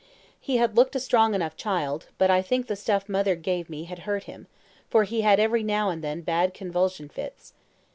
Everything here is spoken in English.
He had looked a strong enough child; but I think the stuff mother gave me had hurt him, for he had every now and then bad convulsion fits.